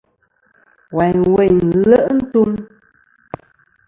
Wayn weyn nle' ntum.